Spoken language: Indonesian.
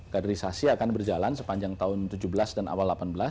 kaderisasi akan berjalan sepanjang tahun dua ribu tujuh belas dan awal dua ribu delapan belas